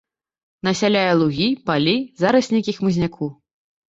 Насяляе лугі, палі, зараснікі хмызняку.